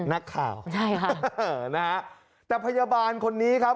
นักข่าวใช่ค่ะเออนะฮะแต่พยาบาลคนนี้ครับ